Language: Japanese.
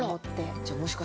じゃあもしかしたら。